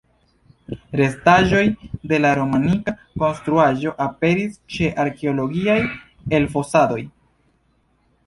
Restaĵoj de la romanika konstruaĵo aperis je arkeologiaj elfosadoj.